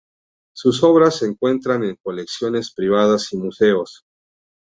Sus obras se encuentran en colecciones privadas y museos.